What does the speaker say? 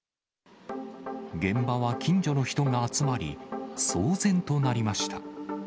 現場は近所の人が集まり、騒然となりました。